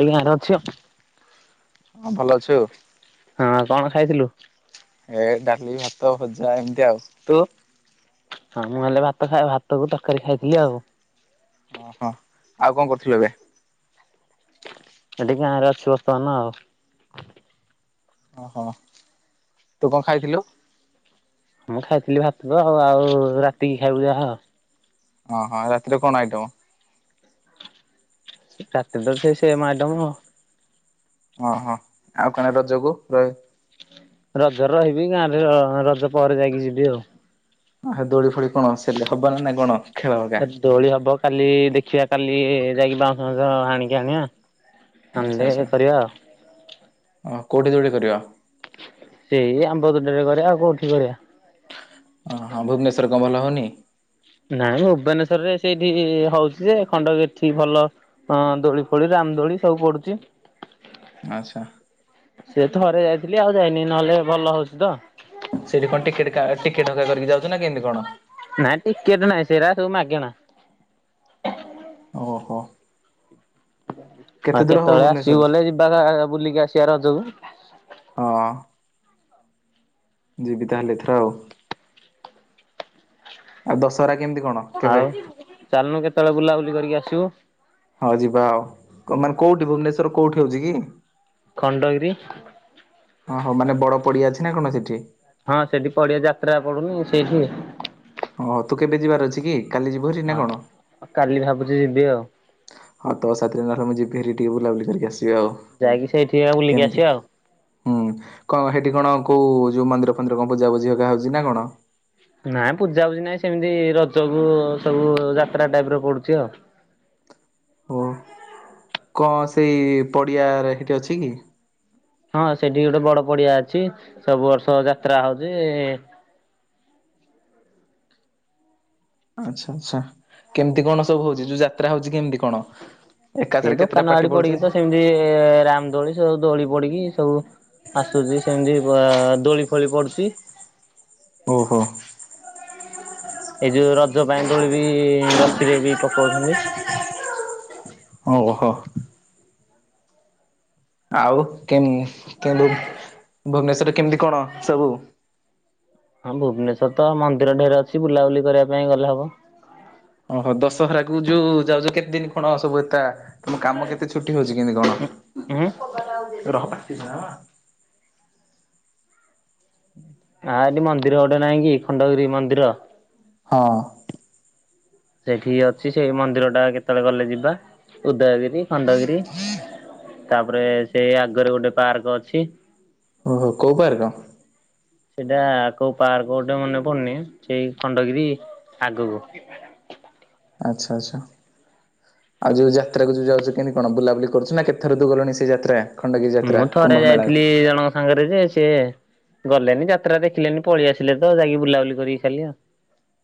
ଭଡି ଆରା ଅଛି ଆଉ। ହଁ ଭଲ ଅଛୁ । ହଁ କଣ ଖାଇଥିଲୁ? ଏ ଡାଲି, ଭାତ, ଭଜା, ଏମିତି ଆଉ ତୁ ହଁ ମୁଁ ହେଲେ ଭାତ ଖାଇ ଭାତକୁ ତରକାରୀ ଖାଇଥିଲି ଆଉ ଓହୋ ଆଉ କଣ କରୁଥିଲୁ ଏବେ? ଏଠି ଗାଁରେ ଅଛି ବର୍ତମାନ ଆଉ। ଓହୋ ତୁ କଣ ଖାଇଥିଲୁ? ମୁଁ ଖାଇଥିଲି ଭାତ ଆଉ ରାତିକି ଖାଇବୁ ଯାହା ଓ ହୋ ରାତିରେ କଣ ଆଇଟମ? ରାତିରେ ତ ସେମ୍ ଆଇଟମ । ଓ ହୋ ଆଉ କଣ ରଜକୁ ରହ ରଜରେ ରହିବି ଗାଁରେ ରଜ ପରେ ଯାଇକି ଯିବି ଆଉ। ହେ ଦୋଳି ଫୋଳି କଣ ସେବେ ହବ ନା ନାଇଁ କଣ? ଖେଳ ହକା ଦୋଳି ହବ କାଲି ଦେଖ ଦେଖିବା କାଲି ଯାଇକି ବାଉଁଶ ବାଉଁଶ ହାଣିକି ଆଣିବା ଆଚ୍ଛା ଆଚ୍ଛା । [inaudible] କରିବା ଆଉ ଓ କୋଉଠି ଦୋଳି କରିବା? ସେଇ ଆମ୍ବ ତୋଟାରେ କରିବା ଆଉ କୋଉଠି କରିବା । ଓ ହଁ ଭୁବନେଶ୍ଵରରେ କଣ ଭଲ ହଉନି? ନାଇଁ ଭୁବନେଶ୍ଵରରେ ସେଇଠି ହଉଛି ଯେ ଖଣ୍ଡଗିରି ଠି ଭଲ ଅ ଦୋଳି ଫୋଳି ରାମଦୋଳି ସବୁ ପଡୁଛି । ଆଚ୍ଛା । ଥରେ ଯାଇଥିଲି ଆଉ ଯାଇନି ନହେଲେ ଭଲ ହଉଛି ତ ସେଠି କଣ ଟିକେଟ ଟିକେଟ ହେକା କରିକି ଯାଉଛ ନାଁ କେମିତି କଣ? ନାଇ ଟିକେଟ ନାଇଁ ସେରା ସୁ ମାଗଣା । ଓ ହୋ ହଁ କେତେବେଳେ ଆସିବୁ ଗଲେ ଯିବା ବୁଲିକି ଆସିବ କିଆଁ ରଜକୁ ହଁ। ଯିବି ତାହେଲେ ଏଥର ଆଉ ଆଉ ଦଶହରା କେମିତି କଣ ଆଉ କେବେ ଚାଲନୁ କେତେବେଳେ ବୁଲାବୁଲି କରିକି ଆସିବୁ । ହଁ ଯିବା ଆଉ ମାନେ କୋଉଠି ଭୁବନେଶ୍ୱର କୋଉଠି ହଉଛି କି? ଖଣ୍ଡଗିରି ହଁ ହଉ ମାନେ ବଡ ପଡିଆ ଅଛି ନା କଣ ସେଠି? ହଁ ସେଠି ପଡିଆ ଯାତ୍ରା ପଡୁନି ସେଠି ଓ ତୁ କେବେ ଯିବାର ଅଛି କି? କାଲି ଯିବୁ ହେରି ନା ହଁ କଣ? କାଲି ଭାବି ଯିବି ଆଉ ହଁ ତୋ ସାଥିରେ ଧର ମୁଁ ଯିବି ଟିକେ ବୁଲାବୁଲିି କରିକି ଆସିବି ଆଉ ଯାଇକି ସେଠି ବୁଲିକି କେମିତି? ଆସିବା ଆଉ ହୁଁ କଣ ସେଠି କଣ କୋଉ ଯୋଉ ମନ୍ଦିର ଫନ୍ଦିର କଣ ପୂଜା ପୂଜୀ ହେରିକା ହଉଛି ନା କଣ? ନାଇଁ ପୂଜାପୂଜି ନାଇଁ ସେମିତି ରଜକୁ ସବୁ ଯାତ୍ରା ଟାଇପ ର ପଡୁଛି ଆଉ। ଓ କଣ ସେଇ ପଡିଆରେ ସେଇଠି ଅଛି କି? ହଁ ସେଠି ଗୋଟେ ବଡ ପଡିଆ ଅଛି ସବୁ ବର୍ଷ ଯାତ୍ରା ହଉଛି। ଆଚ୍ଛା ଆଛା କେମିତି କଣ ସବୁ ହଉଛି ଯୋଉ ଯାତ୍ରା ହଉଛି କେମତି କଣ? ସେଇ ଏକାଥରେ କେତେଟା ଦୋକାନ ପାର୍ଟି ଆଡି ପଡୁଛି? ପଡିକି ତ ସେମିତି ରାମ ଦୋଳି ସବୁ ଦୋଳି। ପଡ଼ିକି ସବୁ। ଆସୁଛି ସେମିତି ବା ଦୋଳି ଫୋଳି ପଡୁଛି। ଓହୋ ସିରେ ବି ପକାଉଛନ୍ତି। ଓହୋ ଆଉ କେମି କେମି ଭୁବନେଶ୍ଵରରେ କେମିତି କଣ ସବୁ? ହଁ ଭୁବନେଶ୍ଵର ତ ମନ୍ଦିର ଢେର ଅଛି ବୁଲାବୁଲି କରିବା ପାଇଁ ଗଲେ ହବ। ଓହୋ ଦଶହରା କୁ ଯୋଉ ଯାଉଛ କେତେ ଦିନ କଣ ସବୁ ଏତା? ତମ କାମ କେତେ ଛୁଟି ହଉଛି କେମତି କଣ? ହୁଁ ରହ ନା [unintelligible] ଆଁ ଏଠି ମନ୍ଦିର ଗୋଟେ ନାଇଁ କି ଖଣ୍ଡଗିରି ମନ୍ଦିର। ହଁ ସେଠିକି ଅଛି ସେଇ ମନ୍ଦିର ଟା କେତେବେଳେ ଗଲେ ଯିବା ଉଦୟଗିରି। ଖଣ୍ଡଗିରି ତାପରେ ସେ ଆଗରେ ଗୋଟେ ପାର୍କ ଅଛି। ଓ ହୋ କୋଉ ପାର୍କ? ସେଇଟା କୋଉ ପାର୍କ ଗୋଟେ ମନେ ପଡୁନି ସେଇ ଖଣ୍ଡଗିରି ଆଗକୁ। ଆଚ୍ଛା ଆଚ୍ଛା ଆଉ ଯୋଉ ଯାତ୍ରା କୁ ଯୋଉ ଯାଉଛ କେମିତି କଣ ବୁଲାବୁଲି କରୁଛୁ ନା କେତେର ତୁ ଗଲୁଣି ସେ ଯାତ୍ରା । ମୁଁ ଥରେ ଯାଇଥିଲି ଏଇ ଜଣଙ୍କ ସାଙ୍ଗରେ ଯେ। ସେ ଗଲେନି ଯାତ୍ରା ଦେଖିଲେନି ପଳେଇ ଆସିଲେ ତ ଯାଇକି ବୁଲାବୁଲି କରିକି ଖାଲି ଆଉ।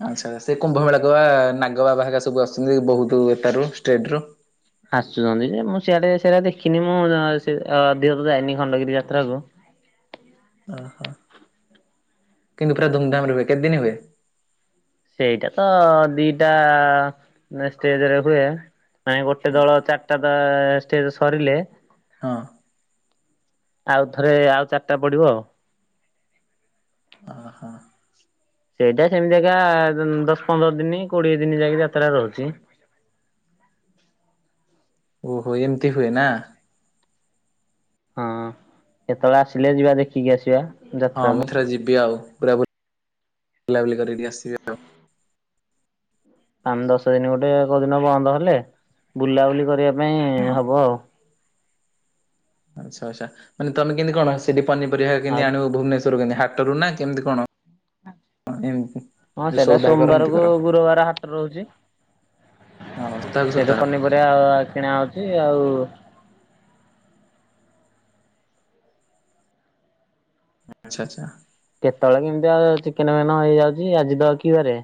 ଆଚ୍ଛାଛା ସେ କୁମ୍ଭ ମେଳାକୁ ବା ନାଗ ବାବା ହେରୀକା ସବୁ ଆସୁଛନ୍ତି ବହୁତ ଷ୍ଟେଟ ରୁ। ଆସୁଛନ୍ତି ଯେ ମୁଁ ସିଆଡେ ସେରା ଦେଖିନି ମୁଁ ସେ ଆ ଅଧିକ ତ ଯାଇନି ଖଣ୍ଡଗିରି ଯାତ୍ରାକୁ। ଓହୋ କିନ୍ତୁ ପୁରା ଧୁମଧାମରେ ହୁଏ, କେତେ ଦିନ ହୁଏ? ସେଇଟା ତ ଦିଟା ଷ୍ଟେଜରେ ହୁଏ। ମାନେ ଗୋଟେ ଦଳ ଚାରିଟା ଦ ଷ୍ଟେଜ ସରିଲେ। ହଁ ଆଉ ଥରେ ଆଉ ଚାରିଟା ପଡିବ ଆଉ ହ ହଁ ସେଇଟା ସେମିତି କା ଦଶ ପନ୍ଦର ଦିନ କୋଡିଏ ଦିନ ଯାଇକି ଯାତ୍ରା ରହୁଛି। ଓହୋ ଏମିତି ହୁଏ ନା। ହଁ କେତେବେଳେ ଆସିଲେ ଯିବା ଦେଖିକି ଆସିବା। ହଁ ଯାତ୍ରାକୁ। ମୁଁ ଥରେ ଯିବି ଆଉ ପୁରାବୁ ବୁଲା ବୁଲି କରିକି ଟିକେ ଆସିିବି ଆଉ। ଆମେ ଦଶ ଦିନ ଗୋଟେ ଏକ ଦିନ ବନ୍ଦ ହେଲେ ବୁଲାବୁଲି କରିବା ପାଇଁ ହଁ ହବ ଆଉ ଆଚ୍ଛା ଆଚ୍ଛା ମାନେ ତମେ କେତି କଣ ସେଠି ପନିରିବା ଆଉ କେମିତି ଆଣିବୁ ଭୁବନେଶ୍ୱର ହା ହାଟରୁ ନା କେମିତି କଣ? ଏମିତି? ହଁ ସେଇଟା ସଉଦା କର ଏମିତି କର ସୋମବାରକୁ ଗୁରୁବାର ହାଟ ରହୁଛି। ହଁ ସପ୍ତାହକୁ ସେଠୁ ସପ୍ତାହ ପନିପରିବା ଆ କିଣା ହଉଛି ଆଉ ଆଚ୍ଛା ଆଚ୍ଛା କେତେବେଳେ କେମତି ଆଉ ଚିକେନ ଫେନ ହେଇଯାଉଛି ଆଜି ତ କି ବାରେ?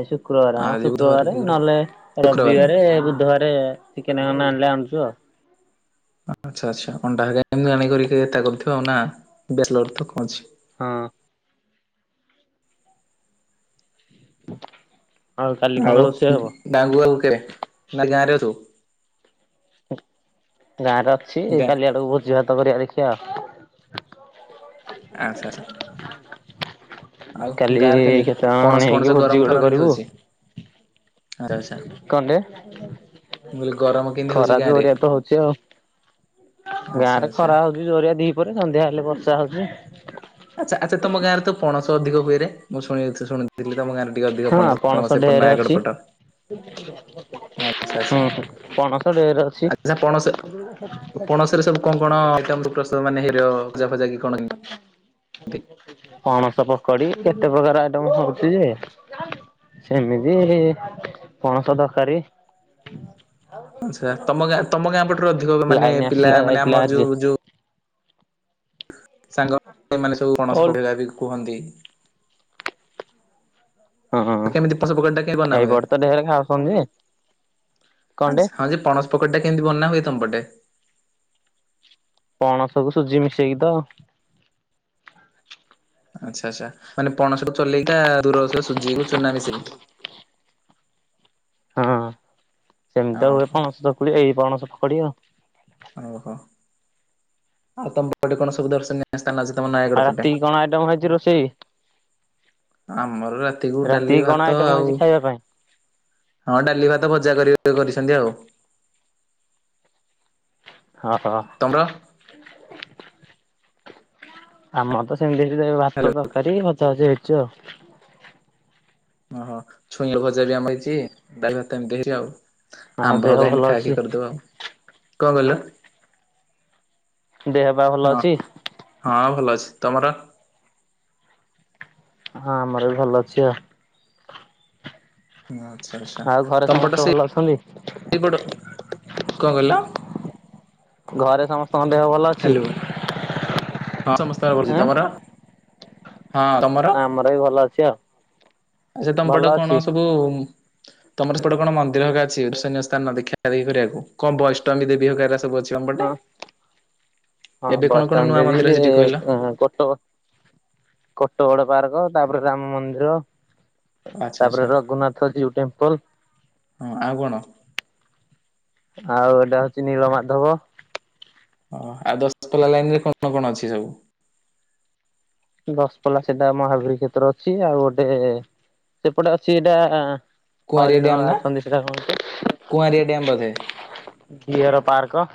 ଏ ଶୁକ୍ରବାର ହଁ ଆଜି ବୁଧବାର ଶୁକ୍ରବାର କି ଗୁରୁବାର। ନହେଲେ ଶୁକ୍ରବାର ରବିବାର ବୁଧବାରେ କେନାକେ ଆଣିଲେ ଆଣୁଛୁ ଆଉ ଆଚ୍ଛା ଆଚ୍ଛା ଅଣ୍ଡା ଏମତି ଆଣିକି କରଥିବ ଆଉ ନା ବୁଥିବ କଣଛି ହଁ ଆଉ କାଲି କଣ ଆଉ ରୋଷେଇ ହବ? ଡାଙ୍ଗ ଆଲ କେରେ ନା ଗାଁରେ ରହୁ? ଗାଁରେ ଅଛି ଗାଁ କାଲି ଆଡକୁ ଭୋଜି ଭା ତ ଗରିଆ ଦେଖିବା ଆଉ ଆଚ୍ଛା ଆଚ୍ଛା ଆଉ କାଲି ଗାଁରେ କେମିତି? କେଷତେ ପଣସ ହଣେଇ ଫଣସ ହେଇକି ଗରମ ଭୋଜି ଗୋଟେ ଫରମ କେମିତି କରିବୁ ହଉଛି ଆଚ୍ଛା ଆଚ୍ଛା କଣ ଟେ ମୁଁ କହିଲି ଗରମ କେମିତି ହଉଛି ଖରା ଗାଁରେ? ଜୋରିଆ ତ ହଉଛି ଆଉ ଗାଁ ଆଚ୍ଛା ରେ ଆଚ୍ଛା। ଖରା ହଉଛି ଜୋରିଆ ଦି ପରେ ସନ୍ଧ୍ୟା ହେଲେ ବର୍ଷା ହଉଛି। ଆଚ୍ଛା ଆଚ୍ଛା ତମ ଗାଁରେ ତ ପଣସ ଅଧିକ କରେ ମୁଁ ଶୁଣି ଶୁଣିଥିଲିମ ଗାଁ ରେ ହଁ ପଣସ ଢେରେ ଅଛି ହଁ ପଣସ ଢେରେ ଅ ଆଚ ପଣସ ପଣସରେ ସବୁ କଣ କଣ ଆଇଟ ପ୍ରସ୍ତୁତ ମାନେ ହିରିକା ଭଜା ଫଜା କି କଣ କେମିତି ପଣସ ପକଡି କେତେ ପ୍ରକାର ଆଇଟମ ହଉଛି ଯେ ସେମିତି ପଣସ ତରକାରୀ ଆଚ୍ଛା ତମ ଗାଁ ତମ ଗାଁ ପଟରେ ଅଧିକ ମାନେ ଲାଇନ ପିଲା ଆସିଲା ମାନେ ଯାଇଥିଲା ଆମ ଆଜି ଯୋଉ ଯୋଉ ସାଙ୍ଗମାନେ ସବୁ କଣସ ଓଲ ପକେଇବା ବି କୁହନ୍ତି। ହୁଁ ହଁ ପଣସ ପକୋଡି ଟା କେମିତି ବନା ହୁଏ? ଏଇପଟ ତ ଢେର ଖାଉଛନ୍ତି କଣ ଟେ ପକୁଡି ଟା କେମତି ବନା ହୁଏ ତମ ପଟେ। ପଣସକୁୁ ସୁଜି ମିଶେଇକି ତ ଆଚ୍ଛା ଆଚ୍ଛା ମାନେ ପଣସକୁୁ ଚଲେଇକି ଦୂର ସୁଜି ଚୁନା ମିଶେଇ କି ହଁ ସେମିତି ହୁଏ ଓହୋ ପଣସ ଚକୁଳି ଏଇ ପଣସ ପଡିବ ଓହୋ ଆଉ ତ ପାଟେ କଣ ଦର୍ଶନିୟ ଆଉ ରାତି କଣ ଆଇଟମ ହେଇଛି ରୋଷେଇ? ହଁ ଆମର ରାତିକୁ ଡାଲି ରାତିକି କଣ ଭାତ ଆଇଟମ ଆଉ ହେଇଛି ଖାଇବା ପାଇଁ? ହଁ ଡାଲି ଭାତ ଭଜା କର କରିଛନ୍ତି ଆଉ। ଅ ହଁ ତମର? ଆମର ତ ସେମିତି ଭାତ ହ୍ୟାଲୋ ତରକାରୀ ଭଜା ହେକା ଚି ଆଉ। ଓହୋ। ଛୁଇଁ ଭଜା ବି ଆମର ହେଇଛି। ଡ୍ରାଇଭର ତ ଏମିତି ଆଉ। ଆଉ ଆଁମ୍ଭ ଦେହ ଭଲ ପାଇଁକି ଅଛି ଖାଇକି କରୁଥିବ। କଣ କହିଲ। ଦେହ ବା ଭଲ ହଁ ଅଛି। ହଁ ଭଲ ଅଛି। ତମର? ହଁ ଆମର ବି ଭଲ ଅଛି ଆ ହଁ ଆଚ୍ଛା ଆଚ୍ଛା କମ୍ପ୍ୟୁଟର ସମସ୍ତେ ସେ ଭଲ ଅଛନ୍ତି? ସପଟ କଣ କହିଲ? ଘରେ ହଁ ଦେହ ଭଲ ଅଛି। ହ୍ୟାଲୋ ହଁ ସମସ୍ତଙ୍କ କରୁଛି ଆଁ ତମର। ହଁ ତମର ଆମର ବି ଭଲ ଅଛି ଆଉ ଆଚ୍ଛା ଭଲ ତମପଟେ ଅଛି। କଣ ସବୁ ତମର ସେପଟେ କଣ ମନ୍ଦିର ହ ଅଛି ଦର୍ଷନିୟ ସ୍ଥାନ ଦେଖା ଦେଖି କରିବାକୁ କଣ ବୈଷ୍ଣବୀ ଦେବୀ ହ ଅଛି ଆମ ପଟେ ହଁ ହଁ ଏବେ କଣ କଣ ନୂଆ ବସଷ୍ଟାଣ୍ଡରେ ମନ୍ଦିର ବି ହେଇଛି ଟିକେ କହିଲ? ସେ କଟ ବଡ ପାର୍କ ତାପରେ ରାମ ମନ୍ଦିର ଆଚ୍ଛା ଆଚ୍ଛା ତାପରେ ରଘୁନାଥ ଜୀଉ ଟେମ୍ପଲ ହଁ ଆଉ କଣ? ଆଉ ଏଇଟା ହଉଛି ନିଳମାଧବ ଓ ଆଉ ଦଶପଲା ଲାଇନ ରେ କଣ କଣ ଅଛି ସବୁ। ଦଶପଲା ସେଟା ମହାବୀର କ୍ଷେତ୍ର ଅଛି ଆଉ ଗୋଟେ ସେପଟେ ଅଛି ଏଇଟା। କୁଆଁରିଆ ହରିଣ ଡ୍ୟାମ ନା ଅଛନ୍ତି ସେଟା କଣ କୁଆଁରିଆ ଡ୍ୟାମ ବୋଧେ ଘିଅର ପାର୍କ।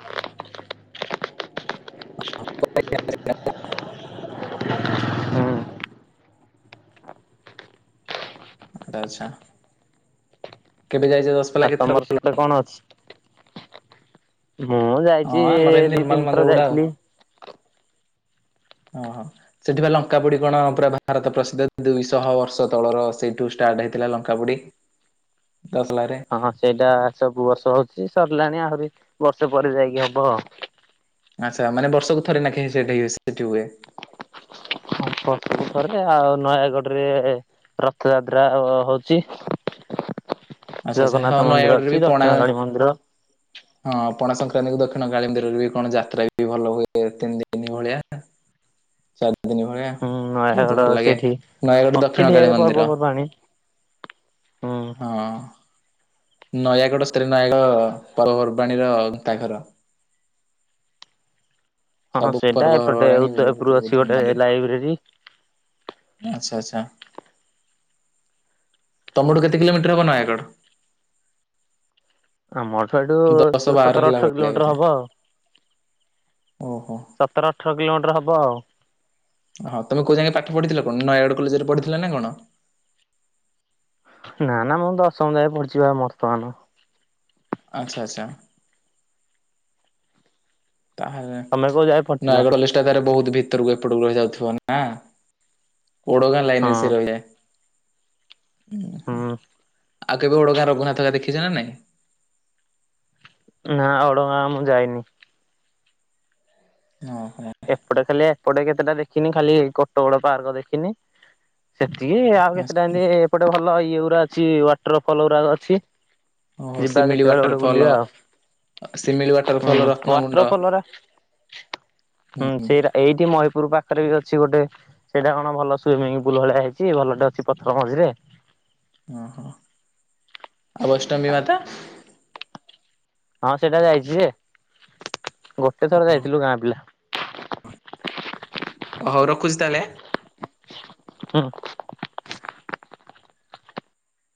[inaudible] ଆଚ୍ଛା। କେବେ ଯାଇଛେ ଦଶ ପିଲା ଆଉ ତମର ସେପଟେ କେତଥର? କଣ ଅଛି? ମୁଁ ହଁ ଯାଇଛି ଆମର ଏମିତି ଦି ନର୍ମାଲ ମନ୍ଦିର ତିନିଥର ଗୁଡା ଆଉ ଯାଇଥିଲି ଓହୋ ସେଠି ବା ଲଙ୍କାପୁଡି କଣ ପୁରା ଭାରତ ପ୍ରସିଦ୍ଧ ଦୁଇଶହ ବର୍ଷ ତଳର ସେଇଠୁ ଷ୍ଟାର୍ଟ ହେଇଥିଲା ଲଙ୍କାପୁଡି ହଁ ହଁ ସେଇଟା ସବୁ ବର୍ଷ ହଉଛି ଯେ ସ ରିଲାଣି ଆହୁରି ବର୍ଷେ ପରେ ଯାଇକି ହବ। ଆଚ୍ଛା ମାନେ ବର୍ଷକୁ ଥରେ ନା କେଇ ସେଇଟାଏ ଆଉ ନୟାଗଡ଼ରେ ରଥଯାତ୍ରା ହଉଛି ଆଚ୍ଛା ଆଚ୍ଛା ହଁ ଜଗନ୍ନାଥ ମନ୍ଦିର ନୟାଗଡରେ ବି ଅଛି ପଣା ଦକ୍ଷିଣ କାଳୀ ମନ୍ଦିର ହଁ ପଣା ସଂକ୍ରାନ୍ତି କୁ ଦକ୍ଷିଣ କାଳୀ ମନ୍ଦିରରେ ବି କଣ ଯାତ୍ରା ବି ଭଲ ହୁଏ ତିନି ଦିନ ଭଳିଆ ଦିନ ଭଳିଆ ହୁଁ ବହୁତ ନୟାଗଡ ଭଲ ଲାଗେ ସେଇଠି ନୟାଗଡ଼ ଅଛି ଦକ୍ଷିଣ କାଳୀ ଢେରେ ମନ୍ଦିର ପର୍ବପର୍ବାଣି ହୁଁ। ହଁ। ନୟାଗଡ଼ ସ୍ତ୍ରୀ [unintelligible] ପର୍ବପର୍ବାଣିର ଗନ୍ତାଘର। ହଁ ସବୁ ସେଇଟା ଏପଟେ ପର୍ବପର୍ବାଣୀ ବହୁତ ଉଦୟପୁର ଅଛି ଗୋଟେ ଧୁମଧାମରେ ଲାଇବ୍ରେରୀ ଆଚ୍ଛା ଆଚ୍ଛା ତମଠୁ କେତେ କିଲୋମିଟର ହବ ନୟାଗଡ଼? ମୋ ମୋଠୁ ଦଶ ବାର ସତର ହେଲା ଅଠର ଭଳିଆ କିଲୋମିଟର ବୋଧେ ହବ ଆଉ। ଓହୋ ସତର ଅଠର କିଲୋମିଟର ହବ ହବ ଆଉ। ହଁ ତମେ କୋଉ ଯାକେ ପାଠ ପଢିଥିଲ କଣ ନୟାଗଡ କଲେଜରେ ପଢିଥିଲା ନା କଣ? ନା ନା ମୁଁ ଦଶମ ଯାଏ ପଢିଚି ବା ବର୍ତ୍ତମାନ। ଆଚ୍ଛା ଆଚ୍ଛା। ତାହେଲେ ତମେ କୋଉ ଯାଏ ପଢିଥିଲ? ନୟାଗଡ଼ ଲିଷ୍ଟ୍ ଟା ତାରେ ବହୁତ ଭିତରକୁ ଏପଟକୁ ରହିଯାଉଥିବ ନା । ଓଡ଼ଗାଁ ହଁ ଲାଇନ ରେ ସେ ରହିଯାଏ। ଓହୋ । ହୁଁ ଆଉ କେବେ ଓଡଗାଁ ରଘୁନାଥଙ୍କ ଦେଖିଛ ନା ନାଇଁ। ନା ଓଡ଼ଗାଁ ମୁଁ ଯାଇନି। ଓହୋ ଏପଟେ ଖାଲି ଏପଟେ କେତେଟା ଦେଖିନି ଖାଲି କୋଟଗଡ଼ ପାର୍କ ଦେଖିନି ସେତିକି ଆଉ କେତେଟା ଏମିତି ଏପଟେ ଭଲ ଇ ଇଏ ଗୁଡା ଅଛି ୱାଟର ଫଲ୍ ଗୁଡା ଅଛି । ଓ ଶିମିଳି ୱାଟରଫଲ ଶିମିଳି ହୁଁ ୱାଟରଫଲ ୱାଟର ରତ୍ନଗୁଣ୍ଡ ଫଲ ଗୁରା ହୁଁ ସେଇରା ଏଇଟି ମହୀପୁର ପାଖରେ ବି ଅଛି ଗୋଟେ ସେଇଟା କଣ ଭଲ ସୁଇମିଙ୍ଗ ପୁଲ ଭଳିଆ ହେଇଛି ଭଲଟେ ଅଛି ପଥର ମଝିରେ ଅ ହୋ ଆଉ ବୈଷ୍ଣବୀ ମାତା ହଁ ସେଇଟା ଯାଇଛି ଯେ ଗୋଟେ ଥର ଯାଇଥିଲୁ ଗାଁ ପିଲା ହଉ ରଖୁଚି ତାହେଲେ ହୁଁ